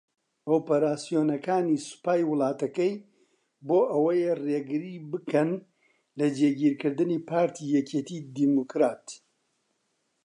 ئۆپەراسیۆنەکانی سوپای وڵاتەکەی بۆ ئەوەیە رێگری بکەن لە جێگیرکردنی پارتی یەکێتی دیموکرات